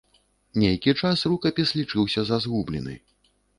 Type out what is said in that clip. Нейкі час рукапіс лічыўся за згублены.